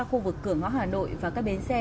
khu vực cửa ngõ hà nội và các bến xe